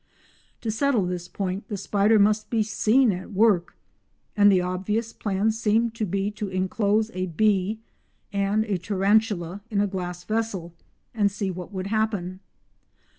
To settle this point the spider must be seen at work, and the obvious plan seemed to be to enclose a bee and a tarantula in a glass vessel and see what would happen.